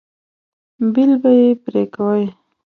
بیل به یې پرې کوئ.